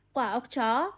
một quả ốc chó